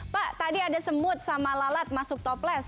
pak tadi ada semut sama lalat masuk toples